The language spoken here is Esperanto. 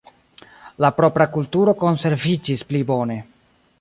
La propra kulturo konserviĝis pli bone.